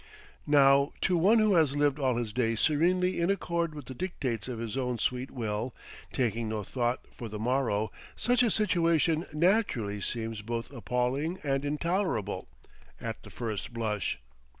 Now to one who has lived all his days serenely in accord with the dictates of his own sweet will, taking no thought for the morrow, such a situation naturally seems both appalling and intolerable, at the first blush.